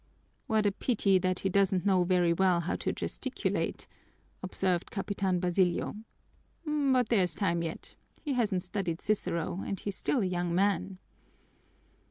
"What a pity that he doesn't know very well how to gesticulate," observed Capitan Basilio. "But there's time yet! He hasn't studied Cicero and he's still a young man!"